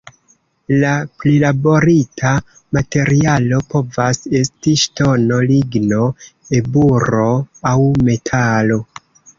La prilaborita materialo povas esti ŝtono, ligno, eburo aŭ metalo.